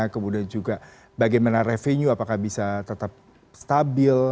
kemudian juga bagaimana revenue apakah bisa tetap stabil